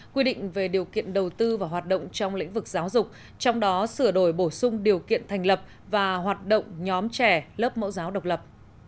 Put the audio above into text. quy định về điều kiện đầu tư và hoạt động trong lĩnh vực giáo dục trong đó sửa đổi bổ sung điều kiện thành lập và hoạt động nhóm trẻ lớp mẫu giáo độc lập